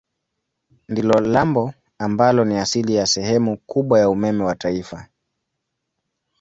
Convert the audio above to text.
Ndilo lambo ambalo ni asili ya sehemu kubwa ya umeme wa taifa.